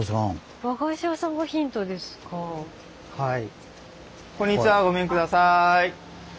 はい。